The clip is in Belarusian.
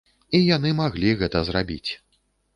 І яны маглі гэта зрабіць.